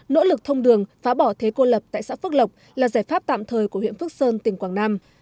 nỗ lực thông đường phá bỏ thế cô lập tại xã phước lộc là giải pháp tạm thời của huyện phước sơn tỉnh quảng nam